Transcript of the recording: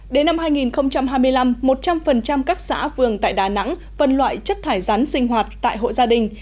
đến năm hai nghìn hai mươi năm một trăm linh các xã vườn tại đà nẵng phân loại chất thải rắn sinh hoạt tại hộ gia đình